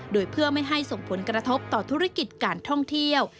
โดยเพื่อไม่ให้ส่งผลกระทบต่อธุรกิจการท่องเที่ยว